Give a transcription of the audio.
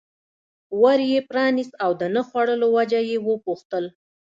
ور یې پرانست او د نه خوړلو وجه یې وپوښتل.